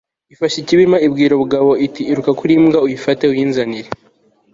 ifashe ikibirima, ibwira bugabo iti iruka kuri ... mbwa uyifate uyinzanire